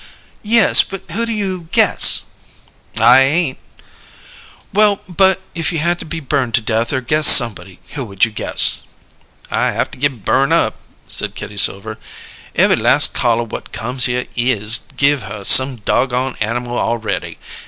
"Yes, but who do you guess?" "I ain't " "Well, but if you had to be burned to death or guess somebody, who would you guess?" "I haf to git burn' up," said Kitty Silver. "Ev'y las' caller whut comes here is give her some doggone animal awready.